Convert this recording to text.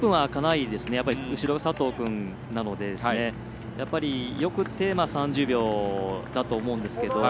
後ろが佐藤君なのでよくて３０秒だと思いますけど。